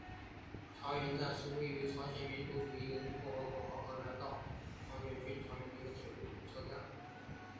长渊站是位于朝鲜民主主义人民共和国黄海南道长渊郡长渊邑的一个铁路车站。